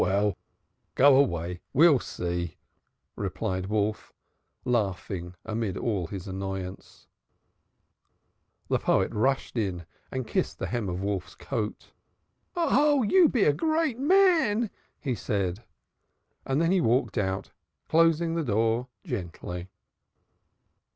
"Oh, well, go away. I'll see," replied Wolf, laughing amid all his annoyance. The poet rushed in and kissed the hem of Wolf's coat. "Oh, you be a great man!" he said. Then he walked out, closing the door gently.